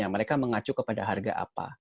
mereka mengacu kepada harga apa